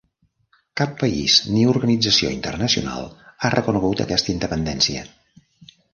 Cap país ni organització internacional ha reconegut aquesta independència.